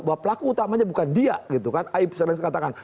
bahwa pelaku utamanya bukan dia